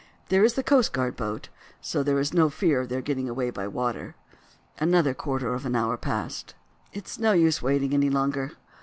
There is the coast guard boat, so there is no fear of their getting away by water." Another quarter of an hour passed. "It is no use waiting any longer.